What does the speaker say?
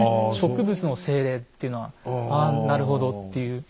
植物の精霊っていうのはああなるほどっていう。